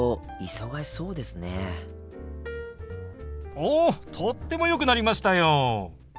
おとってもよくなりましたよ！